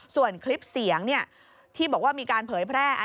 ส่วนคลิปเสียงที่บอกว่ามีการเผยแพร่